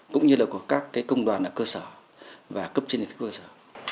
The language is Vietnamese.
cũng như là của các công đoàn ở cơ sở và cấp trên trực tiếp cơ sở